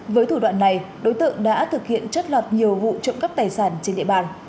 với thủ đoạn này đối tượng đã thực hiện chất lọt nhiều vụ trộm cắp tài sản trên địa bàn